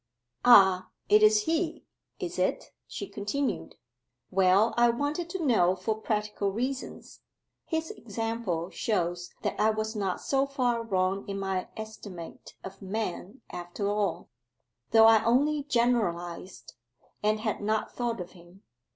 'Ah it is he, is it?' she continued. 'Well, I wanted to know for practical reasons. His example shows that I was not so far wrong in my estimate of men after all, though I only generalized, and had no thought of him.